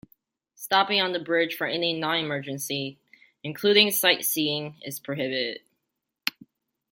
Stopping on the bridge for any non-emergency, including sightseeing, is prohibited.